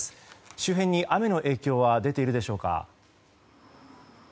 周辺に雨の影響は出ているでしょうか。